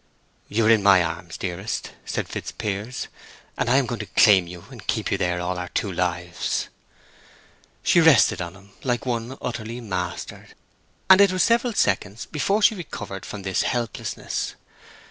"You are in my arms, dearest," said Fitzpiers, "and I am going to claim you, and keep you there all our two lives!" She rested on him like one utterly mastered, and it was several seconds before she recovered from this helplessness.